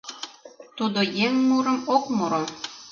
Тудо еҥ мурым ок муро!